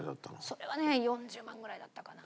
それはね４０万ぐらいだったかな。